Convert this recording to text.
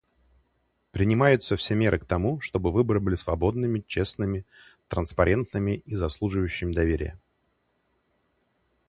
Принимаются все меры к тому, чтобы выборы были свободными, честными, транспарентными и заслуживающими доверия.